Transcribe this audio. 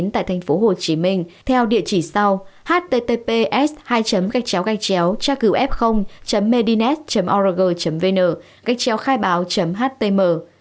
tại tp hcm theo địa chỉ sau http s hai gacchao gacchao f medinet org vn gacchao khaibao htm